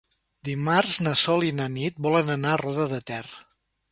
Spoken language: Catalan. Dimarts na Sol i na Nit volen anar a Roda de Ter.